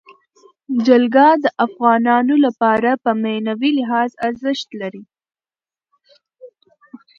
جلګه د افغانانو لپاره په معنوي لحاظ ارزښت لري.